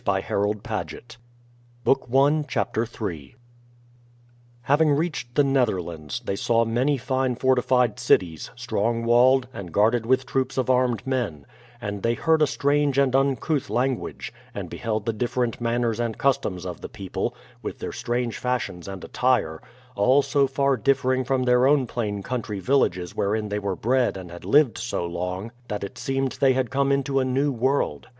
CHAPTER m Settlement at Leyden: 1609 1620 Having reached the Netherlands, they saw many fine fortified cities, strongly walled, and guarded with troops of armed men; and they heard a strange and uncouth lan guage, and beheld the different manners and customs of the people, with their strange fashions and attire — all so far differing from their own plain country villages wherein they were bred and had lived so long, that it seemed they had come into a new world.